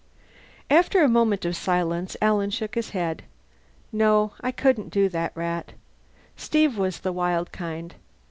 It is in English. After a moment of silence Alan shook his head. "No. I couldn't do that, Rat. Steve was the wild kind.